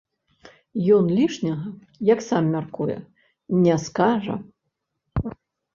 Ён лішняга, як сам мяркуе, не скажа.